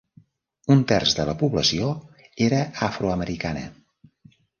Un terç de la població era afroamericana.